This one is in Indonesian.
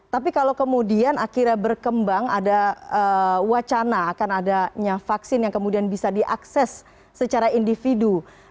tapi kalau kemudian akhirnya berkembang ada wacana akan adanya vaksin yang kemudian bisa diakses secara individu